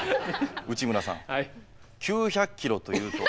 内村さん９００ｋｍというと。